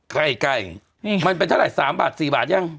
ไก่มันเป็นเท่าไหร่๓บาท๔บาทยัง